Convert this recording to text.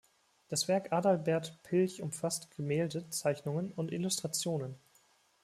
Das Werk Adalbert Pilch umfasst Gemälde, Zeichnungen und Illustrationen.